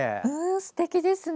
すてきですね。